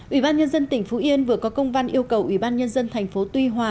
ủy ban nhân dân tỉnh phú yên vừa có công văn yêu cầu ủy ban nhân dân thành phố tuy hòa